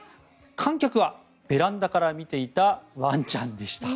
観客は、ベランダから見ていたワンちゃんでした。